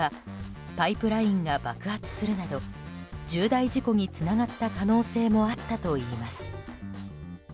パイプラインが爆発するなど重大事故につながった可能性もあったといいます。